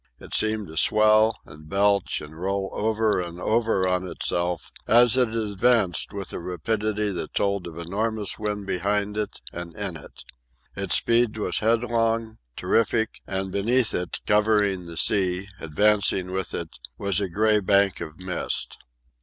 It seemed to swell and belch and roll over and over on itself as it advanced with a rapidity that told of enormous wind behind it and in it. Its speed was headlong, terrific; and, beneath it, covering the sea, advancing with it, was a gray bank of mist.